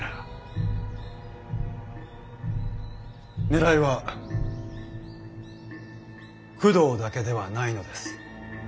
狙いは工藤だけではないのです。